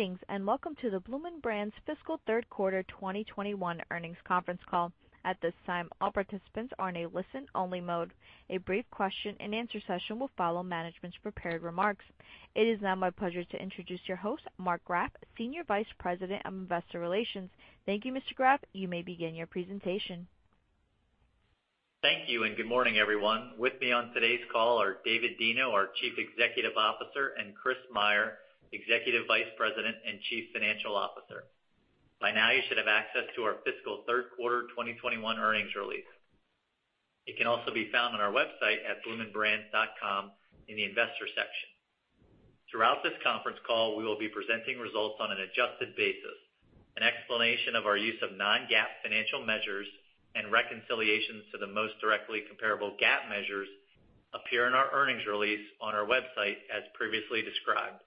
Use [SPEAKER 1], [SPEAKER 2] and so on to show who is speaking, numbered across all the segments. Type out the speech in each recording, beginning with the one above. [SPEAKER 1] Greetings, and welcome to the Bloomin' Brands fiscal third quarter 2021 earnings conference call. At this time, all participants are in a listen-only mode. A brief question-and-answer session will follow management's prepared remarks. It is now my pleasure to introduce your host, Mark Graff, Senior Vice President of Investor Relations. Thank you, Mr. Graff. You may begin your presentation.
[SPEAKER 2] Thank you, and good morning, everyone. With me on today's call are David Deno, our Chief Executive Officer, and Chris Meyer, Executive Vice President and Chief Financial Officer. By now, you should have access to our fiscal third quarter 2021 earnings release. It can also be found on our website at bloominbrands.com in the Investor section. Throughout this conference call, we will be presenting results on an adjusted basis. An explanation of our use of non-GAAP financial measures and reconciliations to the most directly comparable GAAP measures appear in our earnings release on our website as previously described.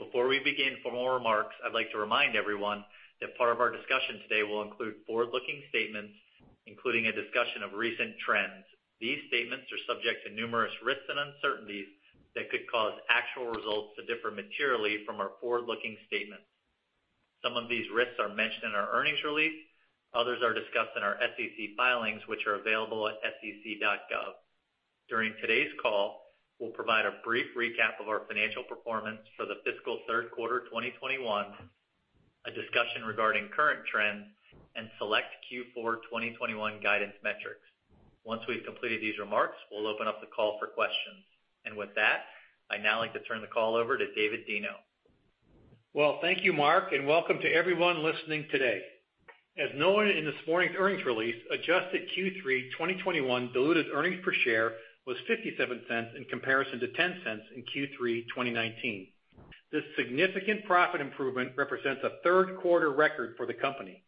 [SPEAKER 2] Before we begin formal remarks, I'd like to remind everyone that part of our discussion today will include forward-looking statements, including a discussion of recent trends. These statements are subject to numerous risks and uncertainties that could cause actual results to differ materially from our forward-looking statements. Some of these risks are mentioned in our earnings release. Others are discussed in our SEC filings, which are available at sec.gov. During today's call, we'll provide a brief recap of our financial performance for the fiscal third quarter 2021, a discussion regarding current trends, and select Q4 2021 guidance metrics. Once we've completed these remarks, we'll open up the call for questions. With that, I'd now like to turn the call over to David Deno.
[SPEAKER 3] Well, thank you, Mark, and welcome to everyone listening today. As noted in this morning's earnings release, adjusted Q3 2021 diluted earnings per share was $0.57 in comparison to $0.10 in Q3 2019. This significant profit improvement represents a third quarter record for the company.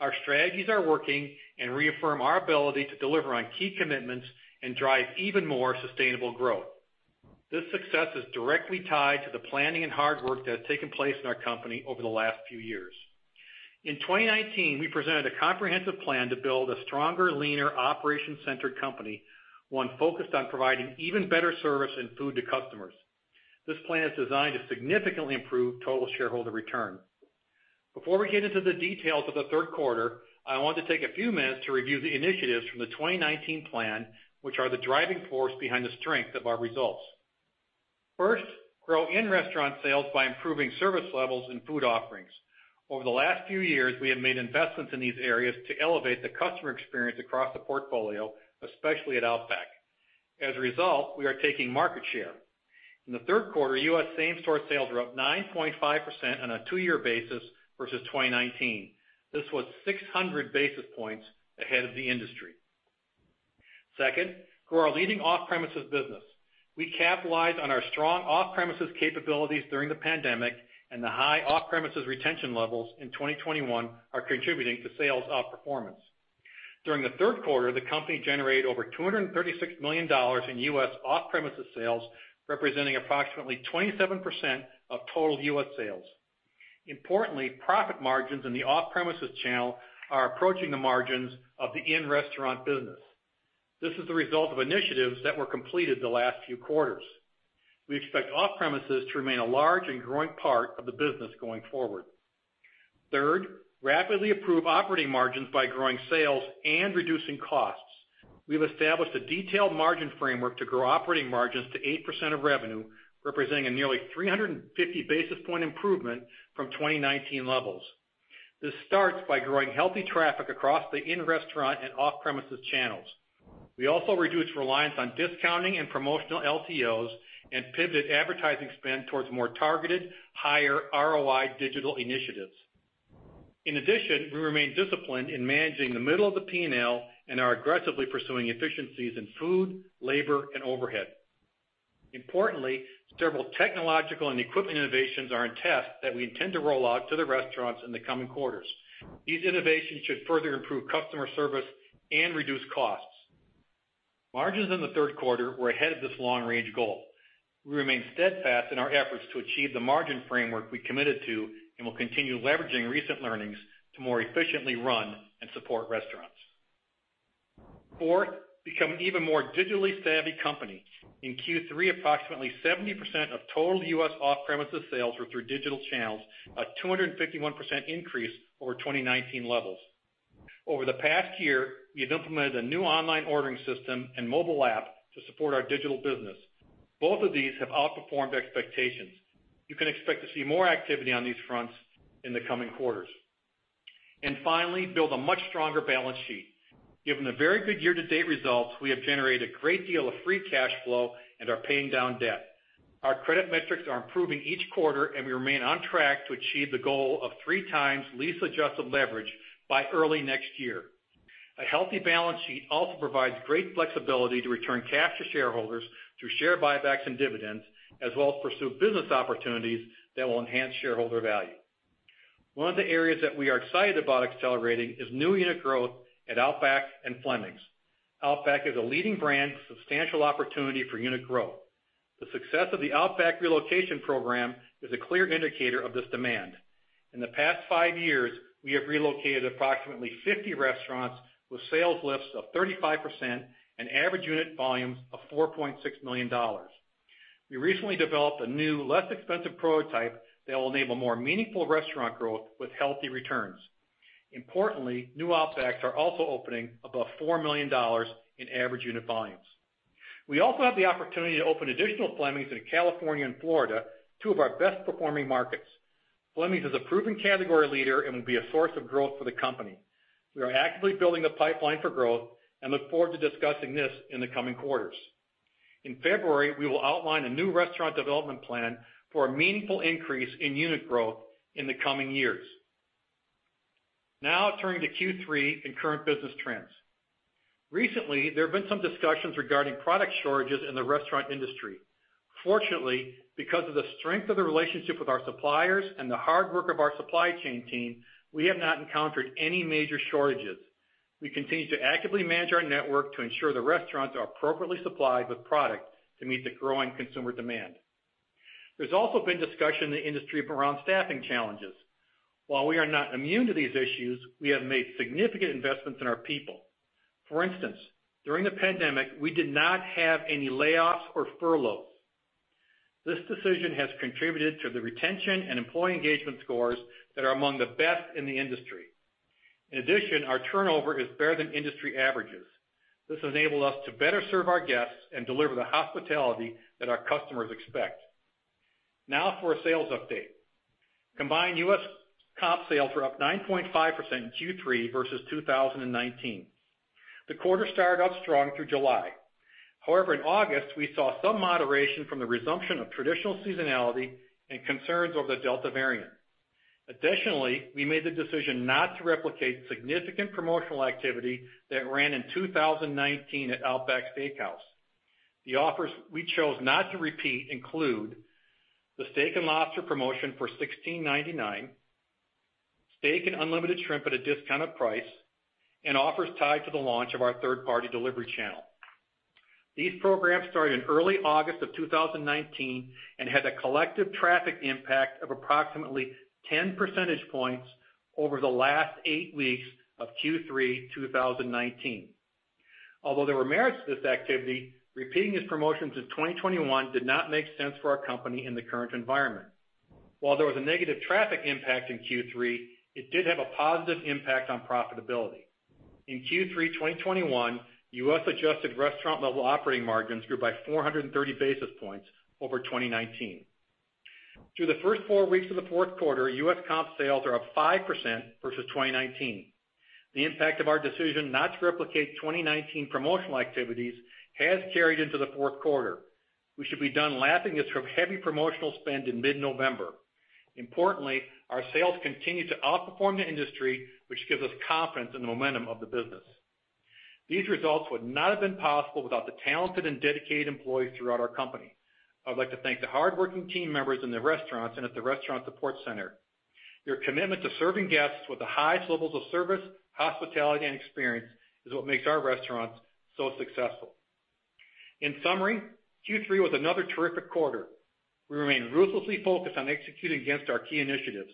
[SPEAKER 3] Our strategies are working and reaffirm our ability to deliver on key commitments and drive even more sustainable growth. This success is directly tied to the planning and hard work that has taken place in our company over the last few years. In 2019, we presented a comprehensive plan to build a stronger, leaner, operation-centered company, one focused on providing even better service and food to customers. This plan is designed to significantly improve total shareholder return. Before we get into the details of the third quarter, I want to take a few minutes to review the initiatives from the 2019 plan, which are the driving force behind the strength of our results. First, grow in-restaurant sales by improving service levels and food offerings. Over the last few years, we have made investments in these areas to elevate the customer experience across the portfolio, especially at Outback. As a result, we are taking market share. In the third quarter, U.S. same-store sales were up 9.5% on a 2-year basis versus 2019. This was 600 basis points ahead of the industry. Second, grow our leading off-premises business. We capitalized on our strong off-premises capabilities during the pandemic, and the high off-premises retention levels in 2021 are contributing to sales outperformance. During the third quarter, the company generated over $236 million in U.S. off-premises sales, representing approximately 27% of total U.S. sales. Importantly, profit margins in the off-premises channel are approaching the margins of the in-restaurant business. This is the result of initiatives that were completed the last few quarters. We expect off-premises to remain a large and growing part of the business going forward. Third, rapidly improve operating margins by growing sales and reducing costs. We have established a detailed margin framework to grow operating margins to 8% of revenue, representing a nearly 350 basis point improvement from 2019 levels. This starts by growing healthy traffic across the in-restaurant and off-premises channels. We also reduced reliance on discounting and promotional LTOs and pivoted advertising spend towards more targeted, higher ROI digital initiatives. In addition, we remain disciplined in managing the middle of the P&L and are aggressively pursuing efficiencies in food, labor, and overhead. Importantly, several technological and equipment innovations are in test that we intend to roll out to the restaurants in the coming quarters. These innovations should further improve customer service and reduce costs. Margins in the third quarter were ahead of this long-range goal. We remain steadfast in our efforts to achieve the margin framework we committed to and will continue leveraging recent learnings to more efficiently run and support restaurants. Fourth, become an even more digitally savvy company. In Q3, approximately 70% of total U.S. off-premises sales were through digital channels, a 251% increase over 2019 levels. Over the past year, we have implemented a new online ordering system and mobile app to support our digital business. Both of these have outperformed expectations. You can expect to see more activity on these fronts in the coming quarters. Finally, build a much stronger balance sheet. Given the very good year-to-date results, we have generated a great deal of free cash flow and are paying down debt. Our credit metrics are improving each quarter, and we remain on track to achieve the goal of 3x lease-adjusted leverage by early next year. A healthy balance sheet also provides great flexibility to return cash to shareholders through share buybacks and dividends, as well as pursue business opportunities that will enhance shareholder value. One of the areas that we are excited about accelerating is new unit growth at Outback and Fleming's. Outback is a leading brand with substantial opportunity for unit growth. The success of the Outback relocation program is a clear indicator of this demand. In the past five years, we have relocated approximately 50 restaurants with sales lifts of 35% and average unit volumes of $4.6 million. We recently developed a new, less expensive prototype that will enable more meaningful restaurant growth with healthy returns. Importantly, new Outbacks are also opening above $4 million in average unit volumes. We also have the opportunity to open additional Fleming's in California and Florida, two of our best performing markets. Fleming's is a proven category leader and will be a source of growth for the company. We are actively building the pipeline for growth and look forward to discussing this in the coming quarters. In February, we will outline a new restaurant development plan for a meaningful increase in unit growth in the coming years. Now turning to Q3 and current business trends. Recently, there have been some discussions regarding product shortages in the restaurant industry. Fortunately, because of the strength of the relationship with our suppliers and the hard work of our supply chain team, we have not encountered any major shortages. We continue to actively manage our network to ensure the restaurants are appropriately supplied with product to meet the growing consumer demand. There's also been discussion in the industry around staffing challenges. While we are not immune to these issues, we have made significant investments in our people. For instance, during the pandemic, we did not have any layoffs or furloughs. This decision has contributed to the retention and employee engagement scores that are among the best in the industry. In addition, our turnover is better than industry averages. This enabled us to better serve our guests and deliver the hospitality that our customers expect. Now for a sales update. Combined U.S. comp sales were up 9.5% in Q3 versus 2019. The quarter started off strong through July. However, in August, we saw some moderation from the resumption of traditional seasonality and concerns over the Delta variant. Additionally, we made the decision not to replicate significant promotional activity that ran in 2019 at Outback Steakhouse. The offers we chose not to repeat include the steak and lobster promotion for $16.99, steak and unlimited shrimp at a discounted price, and offers tied to the launch of our third-party delivery channel. These programs started in early August of 2019 and had a collective traffic impact of approximately 10 percentage points over the last 8 weeks of Q3 2019. Although there were merits to this activity, repeating these promotions in 2021 did not make sense for our company in the current environment. While there was a negative traffic impact in Q3, it did have a positive impact on profitability. In Q3 2021, U.S. adjusted restaurant-level operating margins grew by 430 basis points over 2019. Through the first 4 weeks of the fourth quarter, U.S. comp sales are up 5% versus 2019. The impact of our decision not to replicate 2019 promotional activities has carried into the fourth quarter. We should be done lapping this from heavy promotional spend in mid-November. Importantly, our sales continue to outperform the industry, which gives us confidence in the momentum of the business. These results would not have been possible without the talented and dedicated employees throughout our company. I would like to thank the hardworking team members in the restaurants and at the restaurant support center. Your commitment to serving guests with the highest levels of service, hospitality, and experience is what makes our restaurants so successful. In summary, Q3 was another terrific quarter. We remain ruthlessly focused on executing against our key initiatives.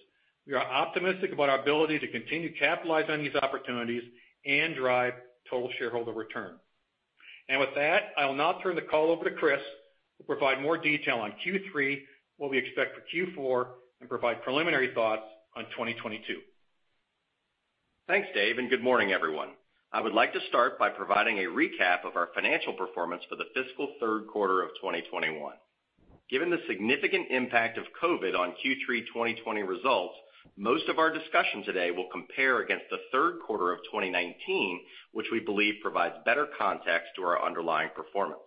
[SPEAKER 3] We are optimistic about our ability to continue to capitalize on these opportunities and drive total shareholder return. With that, I will now turn the call over to Chris to provide more detail on Q3, what we expect for Q4, and provide preliminary thoughts on 2022.
[SPEAKER 4] Thanks, Dave, and good morning, everyone. I would like to start by providing a recap of our financial performance for the fiscal third quarter of 2021. Given the significant impact of COVID on Q3, 2020 results, most of our discussion today will compare against the third quarter of 2019, which we believe provides better context to our underlying performance.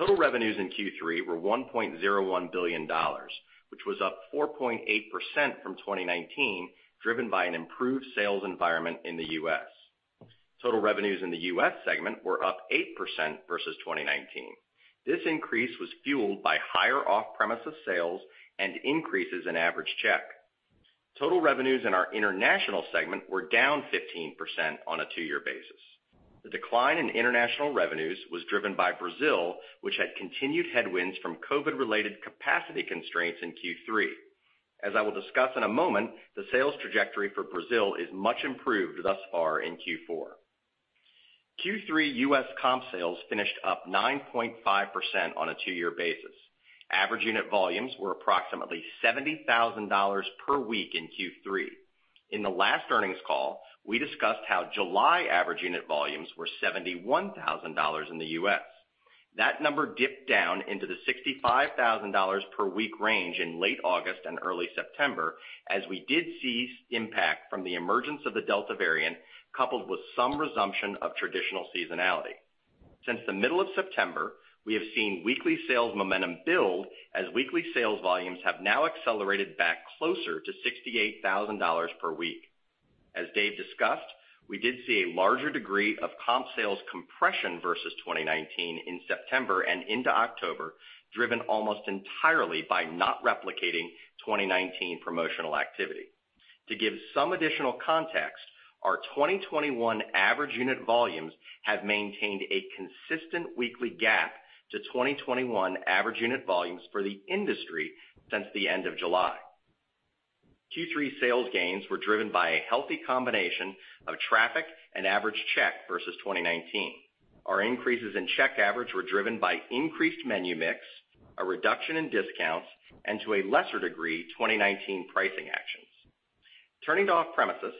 [SPEAKER 4] Total revenues in Q3 were $1.01 billion, which was up 4.8% from 2019, driven by an improved sales environment in the U.S. Total revenues in the U.S. segment were up 8% versus 2019. This increase was fueled by higher off-premises sales and increases in average check. Total revenues in our international segment were down 15% on a two-year basis. The decline in international revenues was driven by Brazil, which had continued headwinds from COVID-related capacity constraints in Q3. As I will discuss in a moment, the sales trajectory for Brazil is much improved thus far in Q4. Q3 U.S. comp sales finished up 9.5% on a two-year basis. Average unit volumes were approximately $70,000 per week in Q3. In the last earnings call, we discussed how July average unit volumes were $71,000 in the U.S. That number dipped down into the $65,000 per week range in late August and early September, as we did see impact from the emergence of the Delta variant, coupled with some resumption of traditional seasonality. Since the middle of September, we have seen weekly sales momentum build as weekly sales volumes have now accelerated back closer to $68,000 per week. As Dave discussed, we did see a larger degree of comp sales compression versus 2019 in September and into October, driven almost entirely by not replicating 2019 promotional activities. To give some additional context, our 2021 average unit volumes have maintained a consistent weekly gap to 2021 average unit volumes for the industry since the end of July. Q3 sales gains were driven by a healthy combination of traffic and average check versus 2019. Our increases in check average were driven by increased menu mix, a reduction in discounts, and to a lesser degree, 2019 pricing actions. Turning to off-premises,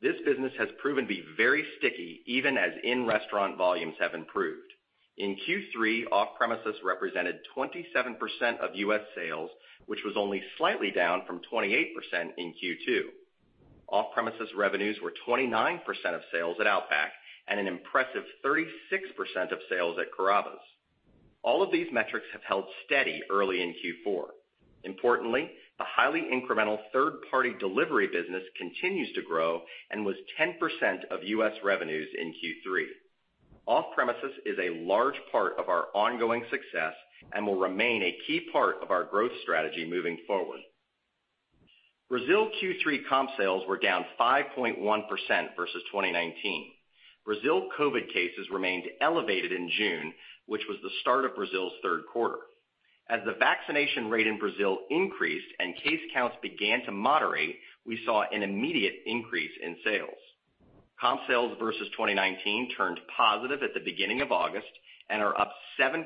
[SPEAKER 4] this business has proven to be very sticky even as in-restaurant volumes have improved. In Q3, off-premises represented 27% of U.S. sales, which was only slightly down from 28% in Q2. Off-premises revenues were 29% of sales at Outback and an impressive 36% of sales at Carrabba's. All of these metrics have held steady early in Q4. Importantly, the highly incremental third-party delivery business continues to grow and was 10% of U.S. revenues in Q3. Off-premises is a large part of our ongoing success and will remain a key part of our growth strategy moving forward. Brazil Q3 comp sales were down 5.1% versus 2019. Brazil COVID cases remained elevated in June, which was the start of Brazil's third quarter. As the vaccination rate in Brazil increased and case counts began to moderate, we saw an immediate increase in sales. Comp sales versus 2019 turned positive at the beginning of August and are up 7%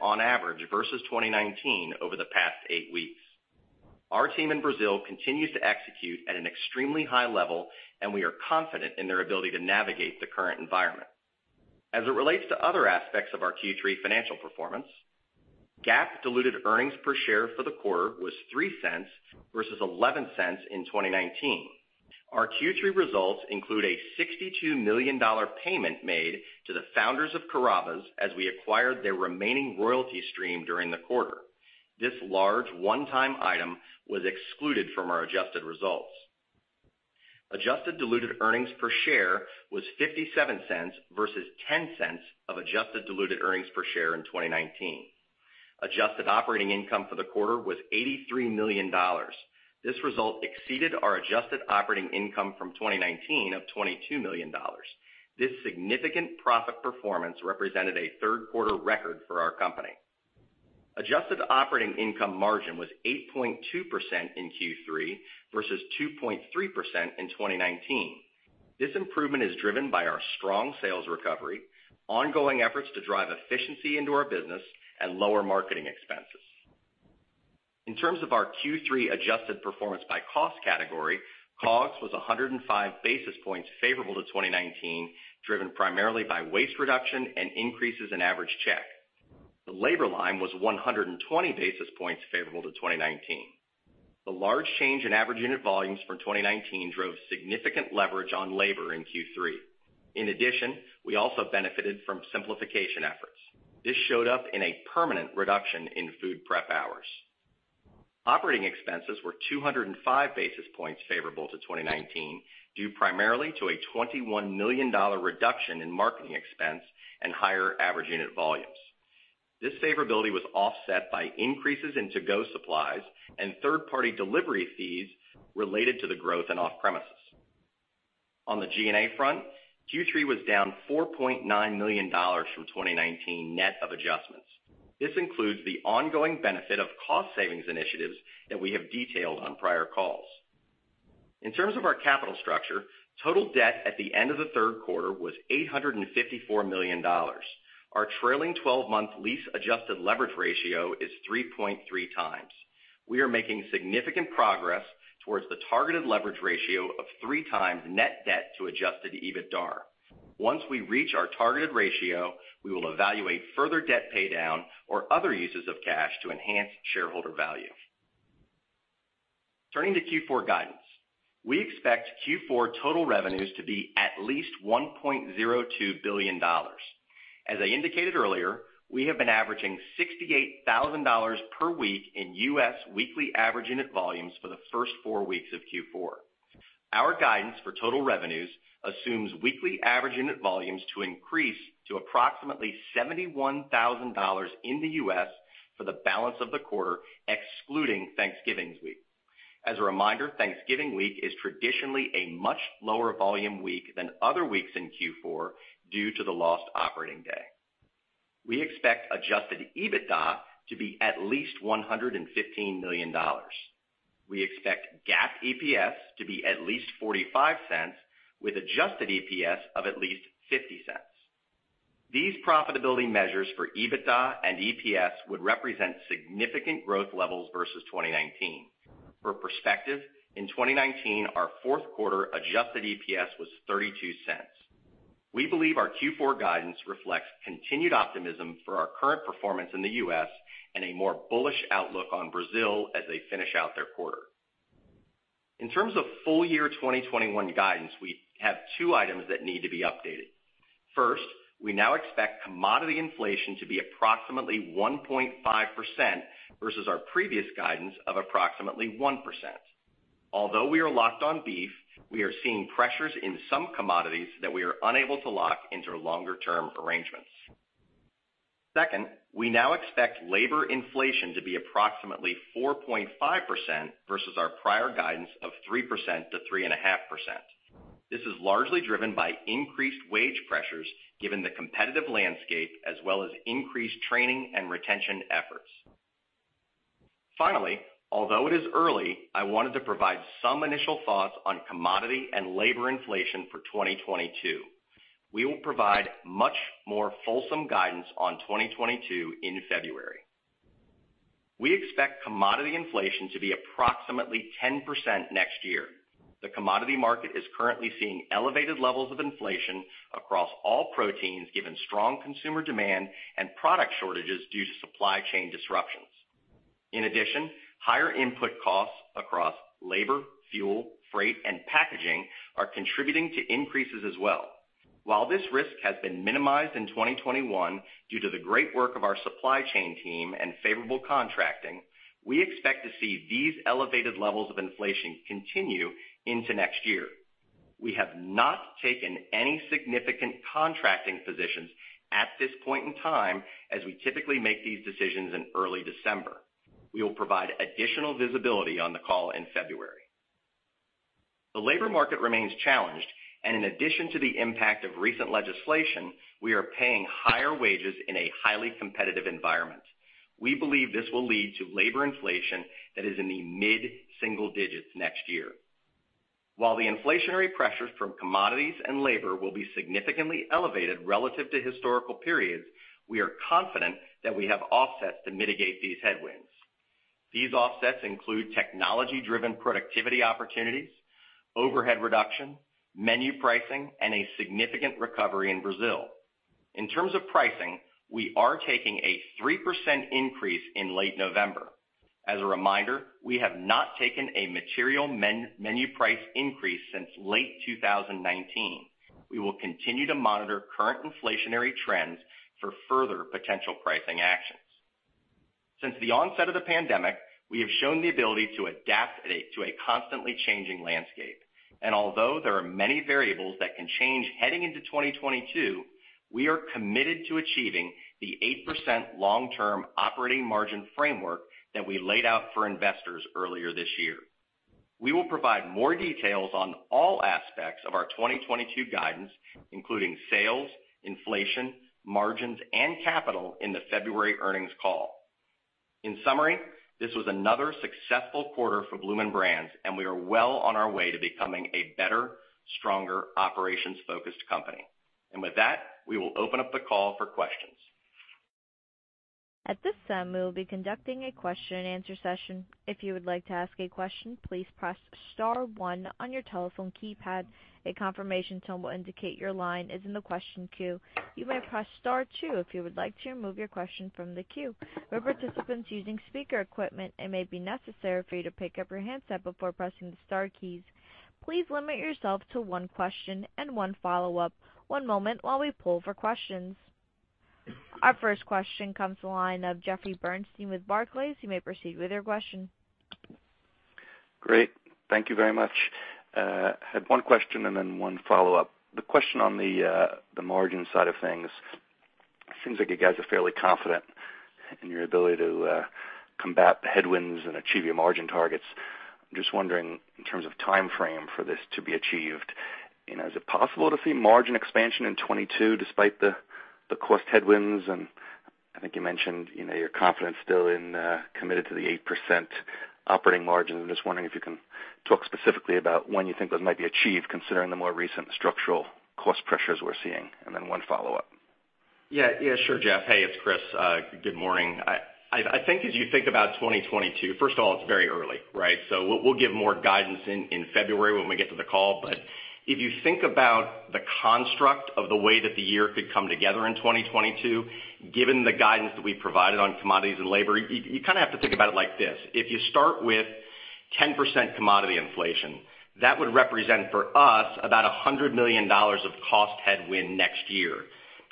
[SPEAKER 4] on average versus 2019 over the past 8 weeks. Our team in Brazil continues to execute at an extremely high level, and we are confident in their ability to navigate the current environment. As it relates to other aspects of our Q3 financial performance, GAAP diluted earnings per share for the quarter was $0.03 versus $0.11 in 2019. Our Q3 results include a $62 million payment made to the founders of Carrabba's as we acquired their remaining royalty stream during the quarter. This large one-time item was excluded from our adjusted results. Adjusted diluted earnings per share was $0.57 versus $0.10 of adjusted diluted earnings per share in 2019. Adjusted operating income for the quarter was $83 million. This result exceeded our adjusted operating income from 2019 of $22 million. This significant profit performance represented a third quarter record for our company. Adjusted operating income margin was 8.2% in Q3 versus 2.3% in 2019. This improvement is driven by our strong sales recovery, ongoing efforts to drive efficiency into our business, and lower marketing expenses. In terms of our Q3 adjusted performance by cost category, COGS was 105 basis points favorable to 2019, driven primarily by waste reduction and increases in average check. The labor line was 120 basis points favorable to 2019. The large change in average unit volumes from 2019 drove significant leverage on labor in Q3. In addition, we also benefited from simplification efforts. This showed up in a permanent reduction in food prep hours. Operating expenses were 205 basis points favorable to 2019, due primarily to a $21 million reduction in marketing expense and higher average unit volumes. This favorability was offset by increases in to-go supplies and third-party delivery fees related to the growth in off-premises. On the G&A front, Q3 was down $4.9 million from 2019 net of adjustments. This includes the ongoing benefit of cost savings initiatives that we have detailed on prior calls. In terms of our capital structure, total debt at the end of the third quarter was $854 million. Our trailing twelve-month lease adjusted leverage ratio is 3.3 times. We are making significant progress towards the targeted leverage ratio of 3 times net debt to adjusted EBITDA. Once we reach our targeted ratio, we will evaluate further debt paydown or other uses of cash to enhance shareholder value. Turning to Q4 guidance, we expect Q4 total revenues to be at least $1.02 billion. As I indicated earlier, we have been averaging $68,000 per week in U.S. weekly average unit volumes for the first 4 weeks of Q4. Our guidance for total revenues assumes weekly average unit volumes to increase to approximately $71,000 in the U.S. for the balance of the quarter, excluding Thanksgiving week. As a reminder, Thanksgiving week is traditionally a much lower volume week than other weeks in Q4 due to the lost operating day. We expect adjusted EBITDA to be at least $115 million. We expect GAAP EPS to be at least $0.45 with adjusted EPS of at least $0.50. These profitability measures for EBITDA and EPS would represent significant growth levels versus 2019. For perspective, in 2019, our fourth quarter adjusted EPS was $0.32. We believe our Q4 guidance reflects continued optimism for our current performance in the U.S. and a more bullish outlook on Brazil as they finish out their quarter. In terms of full year 2021 guidance, we have two items that need to be updated. First, we now expect commodity inflation to be approximately 1.5% versus our previous guidance of approximately 1%. Although we are locked on beef, we are seeing pressures in some commodities that we are unable to lock into longer-term arrangements. Second, we now expect labor inflation to be approximately 4.5% versus our prior guidance of 3%-3.5%. This is largely driven by increased wage pressures given the competitive landscape as well as increased training and retention efforts. Finally, although it is early, I wanted to provide some initial thoughts on commodity and labor inflation for 2022. We will provide much more fulsome guidance on 2022 in February. We expect commodity inflation to be approximately 10% next year. The commodity market is currently seeing elevated levels of inflation across all proteins, given strong consumer demand and product shortages due to supply chain disruptions. In addition, higher input costs across labor, fuel, freight, and packaging are contributing to increases as well. While this risk has been minimized in 2021 due to the great work of our supply chain team and favorable contracting, we expect to see these elevated levels of inflation continue into next year. We have not taken any significant contracting positions at this point in time, as we typically make these decisions in early December. We will provide additional visibility on the call in February. The labor market remains challenged, and in addition to the impact of recent legislation, we are paying higher wages in a highly competitive environment. We believe this will lead to labor inflation that is in the mid-single digits next year. While the inflationary pressures from commodities and labor will be significantly elevated relative to historical periods, we are confident that we have offsets to mitigate these headwinds. These offsets include technology-driven productivity opportunities, overhead reduction, menu pricing, and a significant recovery in Brazil. In terms of pricing, we are taking a 3% increase in late November. As a reminder, we have not taken a material menu price increase since late 2019. We will continue to monitor current inflationary trends for further potential pricing actions. Since the onset of the pandemic, we have shown the ability to adapt to a constantly changing landscape. Although there are many variables that can change heading into 2022, we are committed to achieving the 8% long-term operating margin framework that we laid out for investors earlier this year. We will provide more details on all aspects of our 2022 guidance, including sales, inflation, margins, and capital in the February earnings call. In summary, this was another successful quarter for Bloomin' Brands, and we are well on our way to becoming a better, stronger, operations-focused company. With that, we will open up the call for questions.
[SPEAKER 1] At this time, we will be conducting a question and answer session. If you would like to ask a question, please press star one on your telephone keypad. A confirmation tone will indicate your line is in the question queue. You may press star two if you would like to remove your question from the queue. For participants using speaker equipment, it may be necessary for you to pick up your handset before pressing the star keys. Please limit yourself to one question and one follow-up. One moment while we pull for questions. Our first question comes to the line of Jeffrey Bernstein with Barclays. You may proceed with your question.
[SPEAKER 5] Great. Thank you very much. Had one question and then one follow-up. The question on the margin side of things, seems like you guys are fairly confident in your ability to combat the headwinds and achieve your margin targets. I'm just wondering, in terms of timeframe for this to be achieved, you know, is it possible to see margin expansion in 2022 despite the cost headwinds? I think you mentioned, you know, you're confident and committed to the 8% operating margin. I'm just wondering if you can talk specifically about when you think that might be achieved, considering the more recent structural cost pressures we're seeing. One follow-up.
[SPEAKER 4] Yeah. Yeah, sure, Jeff. Hey, it's Chris. Good morning. I think as you think about 2022, first of all, it's very early, right? So we'll give more guidance in February when we get to the call. If you think about the construct of the way that the year could come together in 2022, given the guidance that we provided on commodities and labor, you kinda have to think about it like this. If you start with 10% commodity inflation, that would represent for us about $100 million of cost headwind next year.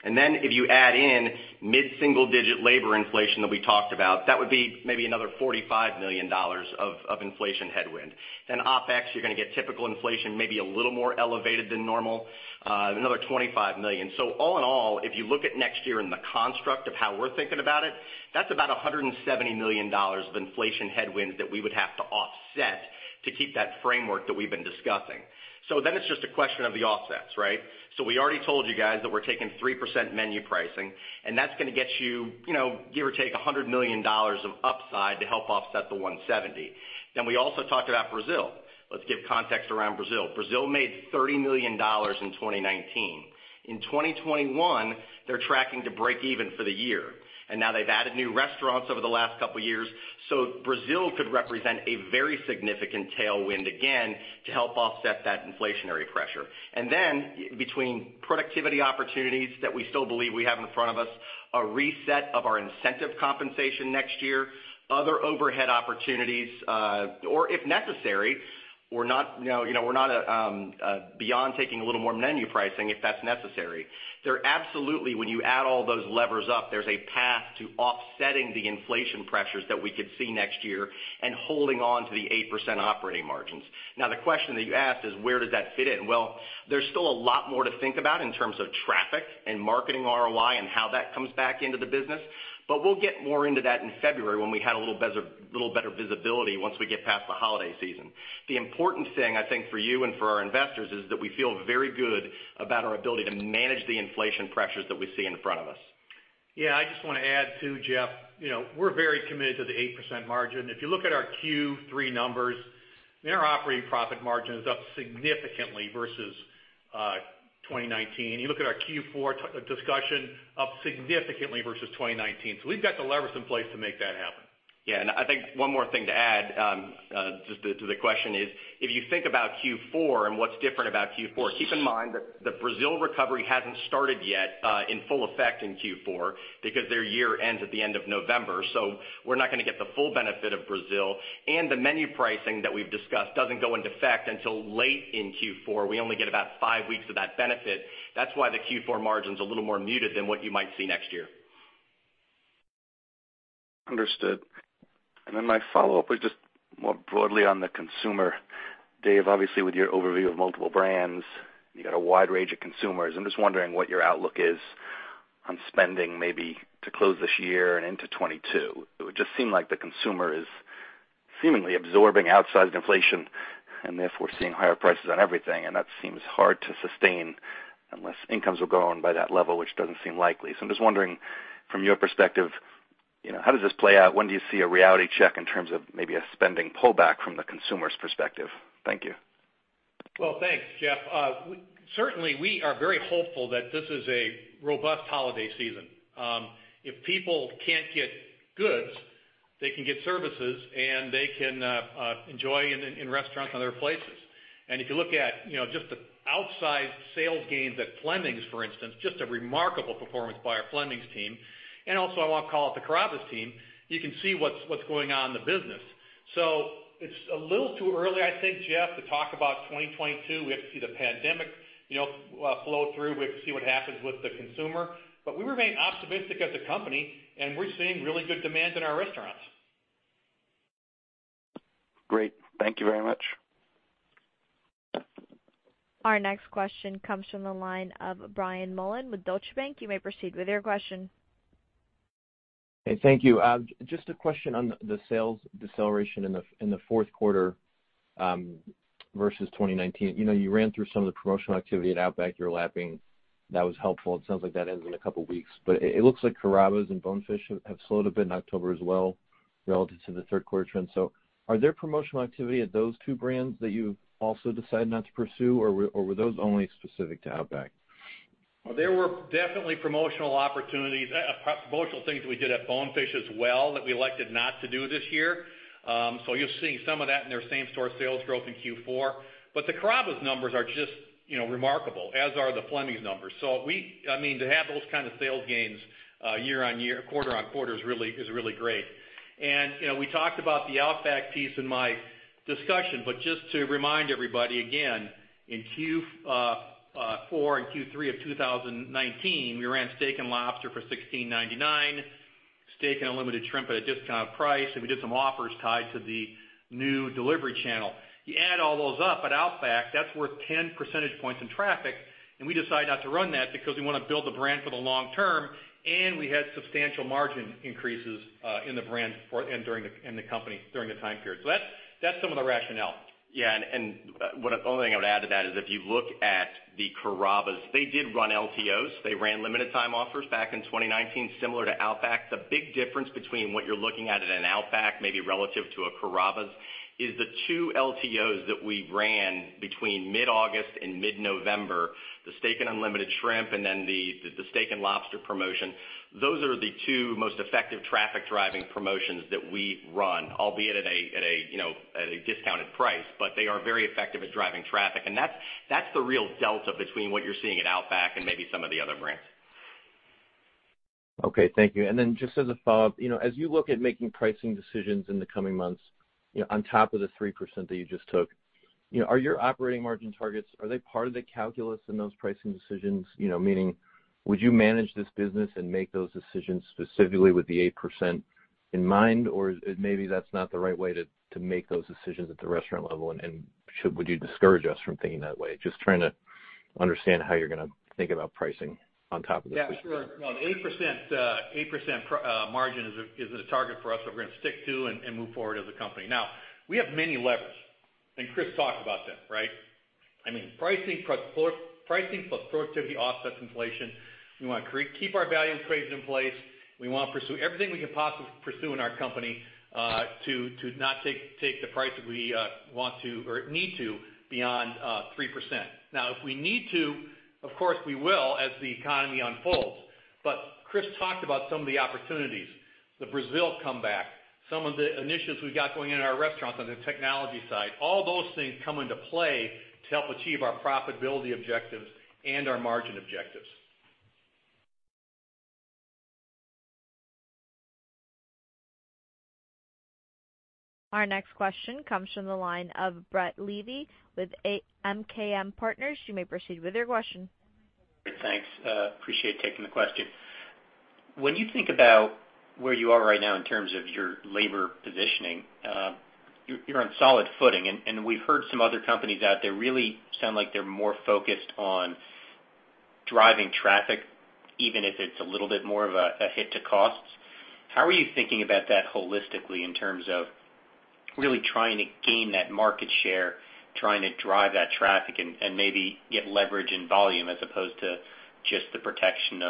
[SPEAKER 4] If you add in mid-single-digit labor inflation that we talked about, that would be maybe another $45 million of inflation headwind. OpEx, you're gonna get typical inflation, maybe a little more elevated than normal, another $25 million. All in all, if you look at next year in the construct of how we're thinking about it, that's about $170 million of inflation headwinds that we would have to offset to keep that framework that we've been discussing. It's just a question of the offsets, right? We already told you guys that we're taking 3% menu pricing, and that's gonna get you know, give or take, $100 million of upside to help offset the $170. We also talked about Brazil. Let's give context around Brazil. Brazil made $30 million in 2019. In 2021, they're tracking to break even for the year. Now they've added new restaurants over the last couple years. Brazil could represent a very significant tailwind again to help offset that inflationary pressure. Then between productivity opportunities that we still believe we have in front of us, a reset of our incentive compensation next year, other overhead opportunities, or if necessary, we're not, you know, beyond taking a little more menu pricing if that's necessary. There are absolutely, when you add all those levers up, there's a path to offsetting the inflation pressures that we could see next year and holding on to the 8% operating margins. Now, the question that you asked is where does that fit in? Well, there's still a lot more to think about in terms of traffic and marketing ROI and how that comes back into the business. We'll get more into that in February when we have a little better visibility once we get past the holiday season. The important thing, I think, for you and for our investors is that we feel very good about our ability to manage the inflation pressures that we see in front of us.
[SPEAKER 3] Yeah. I just wanna add too, Jeff, you know, we're very committed to the 8% margin. If you look at our Q3 numbers, net operating profit margin is up significantly versus 2019. You look at our Q4 discussion, up significantly versus 2019. We've got the levers in place to make that happen.
[SPEAKER 4] Yeah. I think one more thing to add, just to the question is, if you think about Q4 and what's different about Q4, keep in mind that the Brazil recovery hasn't started yet, in full effect in Q4 because their year ends at the end of November. We're not gonna get the full benefit of Brazil, and the menu pricing that we've discussed doesn't go into effect until late in Q4. We only get about five weeks of that benefit. That's why the Q4 margin's a little more muted than what you might see next year.
[SPEAKER 5] Understood. My follow-up was just more broadly on the consumer. David, obviously with your overview of multiple brands, you got a wide range of consumers. I'm just wondering what your outlook is on spending maybe to close this year and into 2022. It would just seem like the consumer is seemingly absorbing outside inflation and therefore seeing higher prices on everything, and that seems hard to sustain unless incomes go up by that level, which doesn't seem likely. I'm just wondering from your perspective, you know, how does this play out? When do you see a reality check in terms of maybe a spending pullback from the consumer's perspective? Thank you.
[SPEAKER 3] Well, thanks, Jeff. Certainly, we are very hopeful that this is a robust holiday season. If people can't get goods, they can get services and they can enjoy in restaurants and other places. If you look at, you know, just the outsized sales gains at Fleming's, for instance, just a remarkable performance by our Fleming's team, and also I want to call out the Carrabba's team, you can see what's going on in the business. It's a little too early, I think, Jeff, to talk about 2022. We have to see the pandemic, you know, flow through. We have to see what happens with the consumer. We remain optimistic at the company, and we're seeing really good demand in our restaurants.
[SPEAKER 5] Great. Thank you very much.
[SPEAKER 1] Our next question comes from the line of Brian Mullan with Deutsche Bank. You may proceed with your question.
[SPEAKER 6] Hey, thank you. Just a question on the sales deceleration in the fourth quarter versus 2019. You know, you ran through some of the promotional activity at Outback you're lapping. That was helpful, and it sounds like that ends in a couple weeks. It looks like Carrabba's and Bonefish have slowed a bit in October as well relative to the third quarter trend. Are there promotional activity at those two brands that you also decided not to pursue, or were those only specific to Outback?
[SPEAKER 3] Well, there were definitely promotional opportunities, promotional things we did at Bonefish as well that we elected not to do this year. You're seeing some of that in their same-store sales growth in Q4. But the Carrabba's numbers are just, you know, remarkable, as are the Fleming's numbers. I mean, to have those kind of sales gains, year-on-year, quarter-on-quarter is really great. You know, we talked about the Outback piece in my discussion, but just to remind everybody again, in Q4 and Q3 of 2019, we ran steak and lobster for $16.99, steak and unlimited shrimp at a discounted price, and we did some offers tied to the new delivery channel. You add all those up at Outback, that's worth 10 percentage points in traffic, and we decided not to run that because we wanna build the brand for the long term, and we had substantial margin increases in the company during the time period. That's some of the rationale.
[SPEAKER 4] Yeah. The only thing I would add to that is if you look at the Carrabba's, they did run LTOs. They ran limited time offers back in 2019, similar to Outback. The big difference between what you're looking at in an Outback, maybe relative to a Carrabba's, is the two LTOs that we ran between mid-August and mid-November, the steak and unlimited shrimp and then the steak and lobster promotion. Those are the two most effective traffic-driving promotions that we run, albeit at a you know at a discounted price, but they are very effective at driving traffic. That's the real delta between what you're seeing at Outback and maybe some of the other brands.
[SPEAKER 6] Okay. Thank you. Just as a follow-up, you know, as you look at making pricing decisions in the coming months, you know, on top of the 3% that you just took, you know, are your operating margin targets, are they part of the calculus in those pricing decisions? You know, meaning would you manage this business and make those decisions specifically with the 8% in mind, or maybe that's not the right way to make those decisions at the restaurant level, and would you discourage us from thinking that way? Just trying to understand how you're gonna think about pricing on top of this-
[SPEAKER 3] Yeah, sure. No, the 8% margin is a target for us that we're gonna stick to and move forward as a company. Now, we have many levers, and Chris talked about them, right? I mean, pricing plus productivity offsets inflation. We wanna keep our value trades in place. We wanna pursue everything we can possibly pursue in our company to not take the price that we want to or need to beyond 3%. Now if we need to, of course, we will as the economy unfolds. Chris talked about some of the opportunities, the Brazil comeback, some of the initiatives we've got going in our restaurants on the technology side. All those things come into play to help achieve our profitability objectives and our margin objectives.
[SPEAKER 1] Our next question comes from the line of Brett Levy with MKM Partners. You may proceed with your question.
[SPEAKER 7] Great. Thanks, appreciate taking the question. When you think about where you are right now in terms of your labor positioning, you're on solid footing. We've heard some other companies out there really sound like they're more focused on driving traffic, even if it's a little bit more of a hit to costs. How are you thinking about that holistically in terms of really trying to gain that market share, trying to drive that traffic and maybe get leverage in volume as opposed to just the protection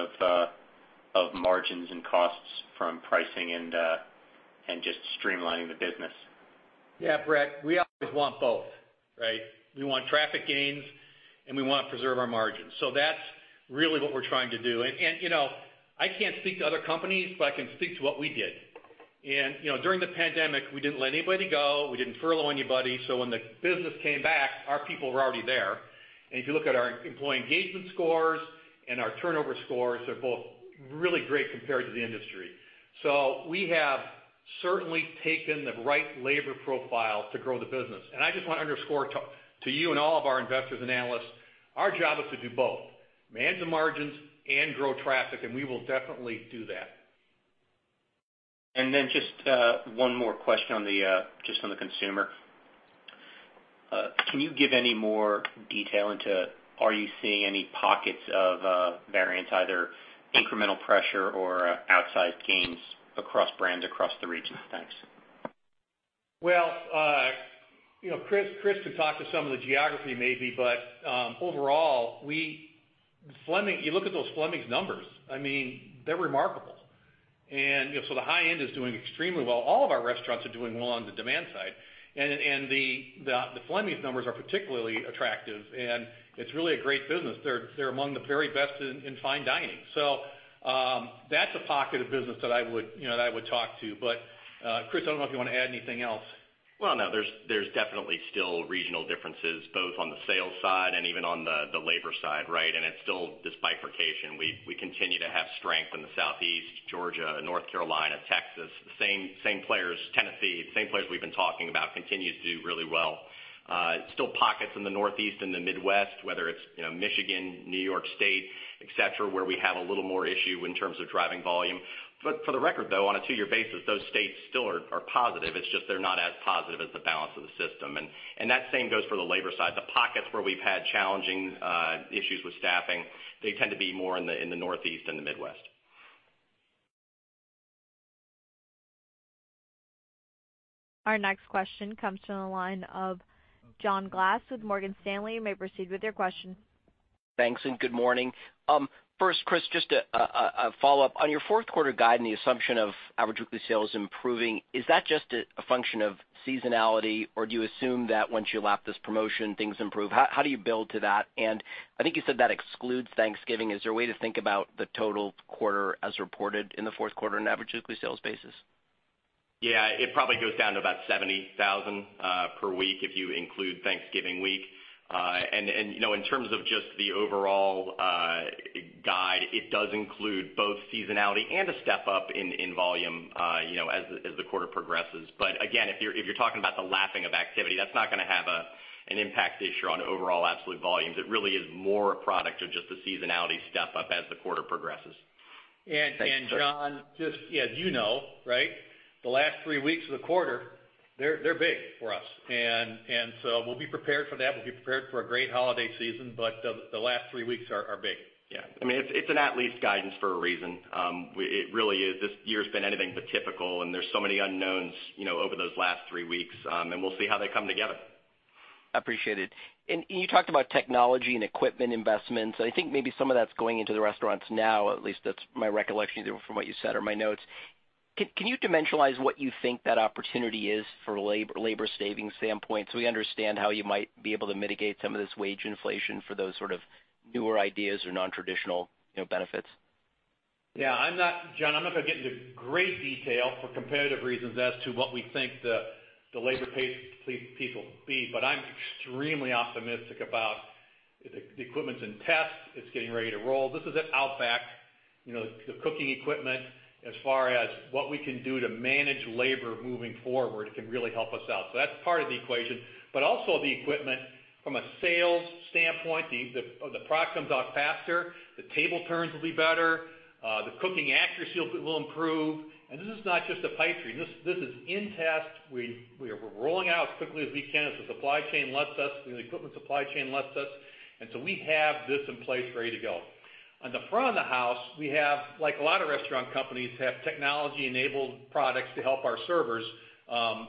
[SPEAKER 7] of margins and costs from pricing and just streamlining the business?
[SPEAKER 3] Yeah, Brett, we always want both, right? We want traffic gains, and we want to preserve our margins. That's really what we're trying to do. You know, I can't speak to other companies, but I can speak to what we did. You know, during the pandemic, we didn't let anybody go. We didn't furlough anybody. When the business came back, our people were already there. If you look at our employee engagement scores and our turnover scores, they're both really great compared to the industry. We have certainly taken the right labor profile to grow the business. I just wanna underscore to you and all of our investors and analysts, our job is to do both, maintain margins and grow traffic, and we will definitely do that.
[SPEAKER 7] Just one more question on the consumer. Can you give any more detail into whether you are seeing any pockets of variance, either incremental pressure or outsized gains across brands across the regions? Thanks.
[SPEAKER 3] Well, you know, Chris could talk to some of the geography maybe, but overall, Fleming's, you look at those Fleming's numbers, I mean, they're remarkable. You know, so the high end is doing extremely well. All of our restaurants are doing well on the demand side. The Fleming's numbers are particularly attractive, and it's really a great business. They're among the very best in fine dining. That's a pocket of business that I would, you know, that I would talk to. But Chris, I don't know if you wanna add anything else.
[SPEAKER 4] Well, no, there's definitely still regional differences, both on the sales side and even on the labor side, right? It's still this bifurcation. We continue to have strength in the Southeast, Georgia, North Carolina, Texas, the same players, Tennessee, the same players we've been talking about continue to do really well. Still pockets in the Northeast and the Midwest, whether it's you know Michigan, New York State, et cetera, where we have a little more issue in terms of driving volume. But for the record, though, on a two-year basis, those states still are positive. It's just they're not as positive as the balance of the system. That same goes for the labor side. The pockets where we've had challenging issues with staffing, they tend to be more in the Northeast and the Midwest.
[SPEAKER 1] Our next question comes from the line of John Glass with Morgan Stanley. You may proceed with your question.
[SPEAKER 8] Thanks, good morning. First, Chris, just a follow-up. On your fourth quarter guide and the assumption of average weekly sales improving, is that just a function of seasonality, or do you assume that once you lap this promotion, things improve? How do you build to that? I think you said that excludes Thanksgiving. Is there a way to think about the total quarter as reported in the fourth quarter on an average weekly sales basis?
[SPEAKER 4] Yeah. It probably goes down to about 70,000 per week if you include Thanksgiving week. You know, in terms of just the overall guide, it does include both seasonality and a step-up in volume, you know, as the quarter progresses. But again, if you're talking about the lapping of activity, that's not gonna have an impact this year on overall absolute volumes. It really is more a product of just the seasonality step-up as the quarter progresses.
[SPEAKER 8] Thanks, Chris.
[SPEAKER 3] John, just as you know, right, the last three weeks of the quarter, they're big for us. So we'll be prepared for that. We'll be prepared for a great holiday season, but the last three weeks are big.
[SPEAKER 4] Yeah. I mean, it's an at least guidance for a reason. It really is. This year's been anything but typical, and there's so many unknowns, you know, over those last three weeks. We'll see how they come together.
[SPEAKER 8] Appreciate it. You talked about technology and equipment investments. I think maybe some of that's going into the restaurants now, at least that's my recollection from what you said or my notes. Can you dimensionalize what you think that opportunity is for labor savings standpoint, so we understand how you might be able to mitigate some of this wage inflation for those sort of newer ideas or non-traditional, you know, benefits?
[SPEAKER 3] I'm not John, I'm not gonna get into great detail for competitive reasons as to what we think the labor piece will be, but I'm extremely optimistic about the equipment's in test. It's getting ready to roll. This is at Outback, you know, the cooking equipment as far as what we can do to manage labor moving forward can really help us out. That's part of the equation, but also the equipment from a sales standpoint. The product comes out faster, the table turns will be better, the cooking accuracy will improve. This is not just a pipe dream. This is in test. We are rolling out as quickly as we can, as the supply chain lets us, the equipment supply chain lets us. We have this in place, ready to go. On the front of the house, we have, like a lot of restaurant companies, technology-enabled products to help our servers, and